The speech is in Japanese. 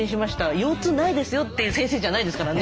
「腰痛ないですよ」という先生じゃないですからね。